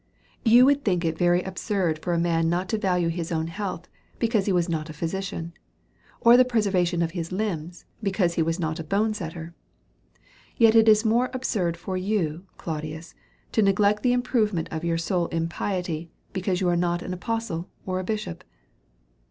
You would think it very absurd for a man not to value his own health, because he was not a physician ; or the preservation of his limbs, because he was not a bone setter. Yet it is more absurd for you, Claudius, to neglect the improvement of your soul in piety, be cause you are not an apostle or a bishop.